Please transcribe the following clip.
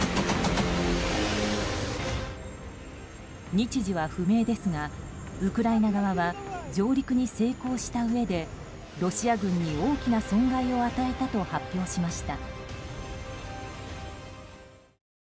日時は不明ですがウクライナ側は上陸に成功したうえでロシア軍に大きな損害を与えたと発表しました。